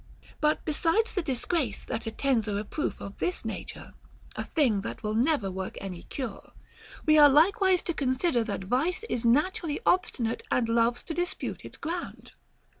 But besides the disgrace that attends a re proof of this nature (a thing that will never work any cure), we are likewise to consider that vice is naturally obstinate and loves to dispute its ground.